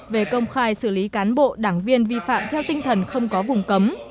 về công khai xử lý cán bộ đảng viên vi phạm theo tinh thần không có vùng cấm